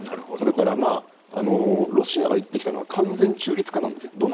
それからロシアが言ってきたのは完全中立化なんですね。